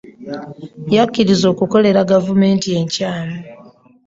Yakkiriza okukolera gavumenti enkyamu